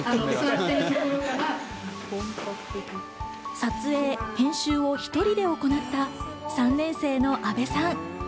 撮影、編集を１人で行った３年生の阿部さん。